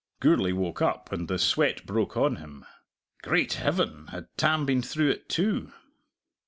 Gourlay woke up, and the sweat broke on him. Great Heaven, had Tam been through it too!